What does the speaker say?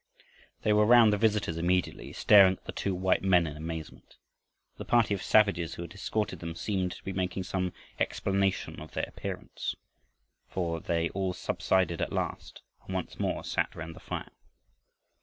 They were round the visitors immediately, staring at the two white men in amazement. The party of savages who had escorted them seemed to be making some explanation of their appearance, for they all subsided at last and once more sat round their fire.